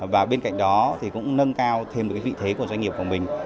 và bên cạnh đó thì cũng nâng cao thêm được vị thế của doanh nghiệp của mình